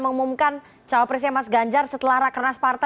tanda kutip melepaskan jawa barat